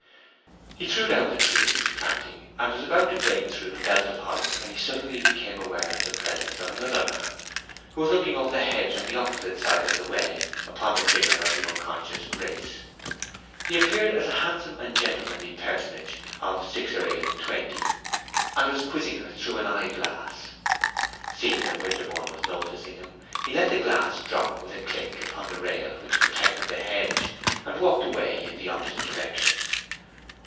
He threw down the tree he was planting, and was about to break through the belt of holly when he suddenly became aware of the presence of another man, who was looking over the hedge on the opposite side of the way upon the figure of the unconscious Grace. He appeared as a handsome and gentlemanly personage of six or eight and twenty, and was quizzing her through an eye glass. Seeing that Winterborne was noticing him, he let his glass drop with a click upon the rail which protected the hedge, and walked away in the opposite direction.